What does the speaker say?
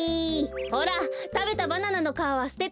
ほらたべたバナナのかわはすてて！